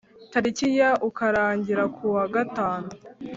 Tariki ya ukarangira ku wa gatanu